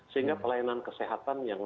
sehingga pelayanan kesehatan yang